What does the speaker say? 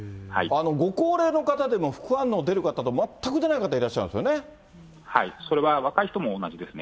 ご高齢の方でも、副反応出る方と、全く出ない方、それは若い人も同じですね。